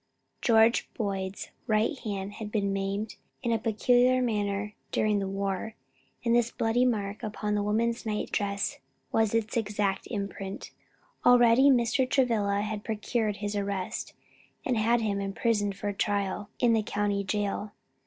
George Boyd's right hand had been maimed in a peculiar manner during the war, and this bloody mark upon the woman's night dress was its exact imprint. Already Mr. Travilla had procured his arrest, and had him imprisoned for trial, in the county jail.